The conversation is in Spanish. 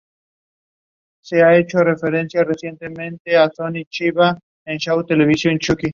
Participó en siete torneos de Grand Slam, pero no pudo ganar ninguno.